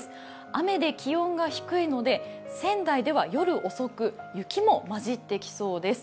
雨で気温が低いので、仙台では夜遅く、雪も交じってきそうです。